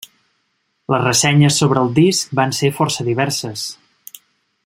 Les ressenyes sobre el disc van ser força diverses.